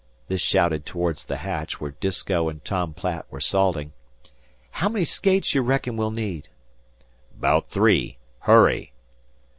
This shouted towards the hatch, where Disko and Tom Platt were salting. "How many skates you reckon we'll need?" "'Baout three. Hurry!"